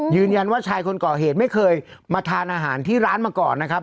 ยืนยันว่าชายคนก่อเหตุไม่เคยมาทานอาหารที่ร้านมาก่อนนะครับ